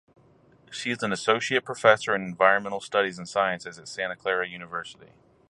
She is an Associate Professor in Environmental Studies and Sciences at Santa Clara University.